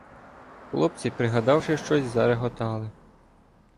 Хлопці, пригадавши щось, зареготали.